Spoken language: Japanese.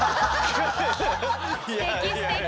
すてきすてき。